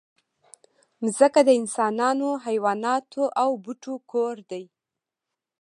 مځکه د انسانانو، حیواناتو او بوټو کور دی.